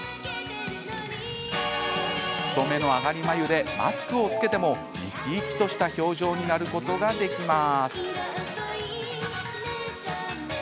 太めの上がり眉でマスクを着けても生き生きとした表情になることができます。